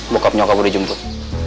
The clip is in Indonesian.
bokap nyokap gue dijemput